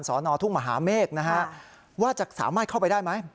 นทุ่งมหาเมฆนะฮะว่าจะสามารถเข้าไปได้ไหม